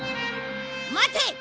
待て！